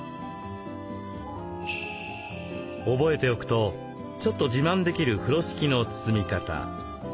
覚えておくとちょっと自慢できる風呂敷の包み方。